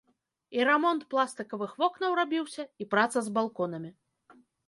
І рамонт пластыкавых вокнаў рабіўся, і праца з балконамі.